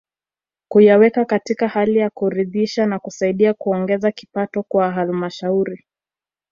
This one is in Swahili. Kuyaweka katika hali ya kuridhisha na kusaidia kuongeza kipato kwa halmashauri